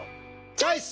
チョイス！